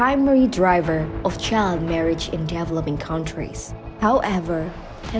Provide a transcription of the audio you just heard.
adalah pengarah utama untuk kebahagiaan anak di negara negara berkembang